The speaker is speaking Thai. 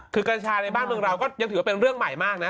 คือกัญชาในบ้านเมืองเราก็ยังถือว่าเป็นเรื่องใหม่มากนะ